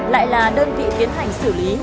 lại là đơn vị tiến hành xử lý